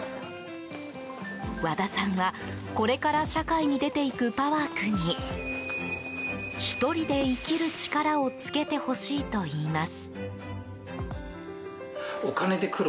和田さんは、これから社会に出ていくパワー君に１人で生きる力をつけてほしいといいます。